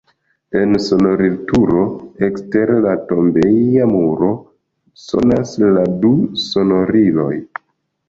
En sonorilturo ekster la tombeja muro sonas la du sonoriloj.